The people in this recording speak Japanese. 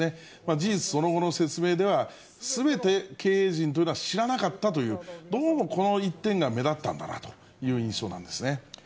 事実、その後の説明では、すべて経営陣というのは知らなかったという、どうもこの一点が目立ったんだなという印象なんですね。